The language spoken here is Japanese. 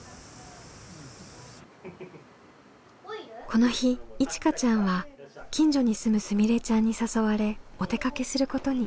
この日いちかちゃんは近所に住むすみれちゃんに誘われお出かけすることに。